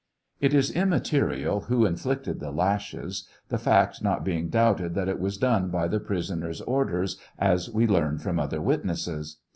It is immaterial who inflicted the lashes, the fact not heing doubted that it was done by the prisoner's orders, as we learn from other witnesses.